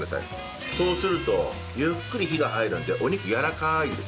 そうするとゆっくり火が入るのでお肉やわらかいですね。